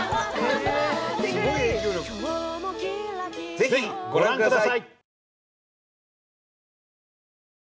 ぜひご覧ください！